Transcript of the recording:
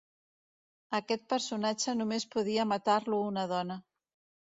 Aquest personatge només podia matar-lo una dona.